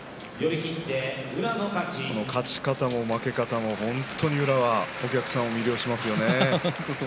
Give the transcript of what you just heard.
勝ち方も負け方も宇良はお客さんを魅了しますね。